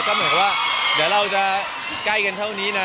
ก็คุยครับเขาแบบขอโทษกัน